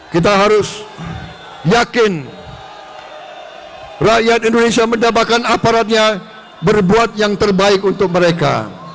kita harus yakin rakyat indonesia mendapatkan aparatnya berbuat yang terbaik untuk mereka